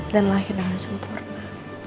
dan lahir dengan sempurna